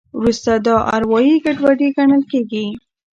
وروسته دا اروایي ګډوډي ګڼل کېږي.